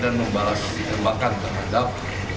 dan membalas penembakan terhadap